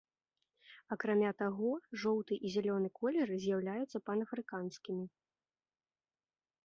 Акрамя таго, жоўты і зялёны колеры з'яўляюцца панафрыканскімі.